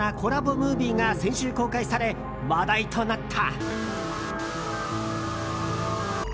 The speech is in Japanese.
ムービーが先週、公開され話題となった。